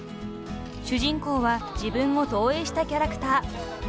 ［主人公は自分を投影したキャラクター］